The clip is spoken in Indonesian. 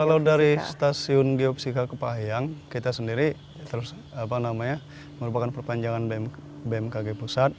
kalau dari stasiun geopsika kepahayang kita sendiri terus apa namanya merupakan perpanjangan bmkg pusat